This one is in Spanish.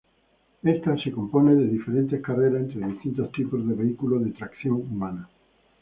Esta se compone de diferentes carreras entre distintos tipos de vehículos de tracción humana.